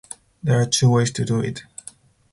There are two ways to do it.